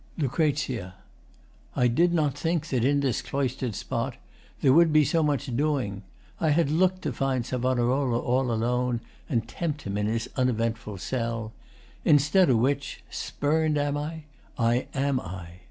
LUC. I did not think that in this cloister'd spot There would be so much doing. I had look'd To find Savonarola all alone And tempt him in his uneventful cell. Instead o' which Spurn'd am I? I am I.